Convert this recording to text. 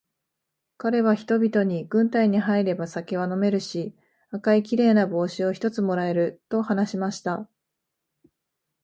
かれは人々に、軍隊に入れば酒は飲めるし、赤いきれいな帽子を一つ貰える、と話しました。